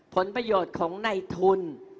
ผลประโยชน์ของในทุน